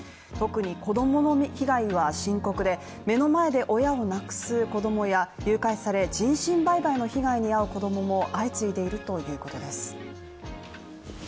特に子供の被害は深刻で目の前で親を亡くす子供や誘拐され人身売買の被害に遭う子供も相次いでいるということです。